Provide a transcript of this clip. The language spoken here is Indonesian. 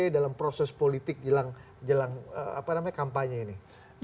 dalam proses politik jelang kampanye ini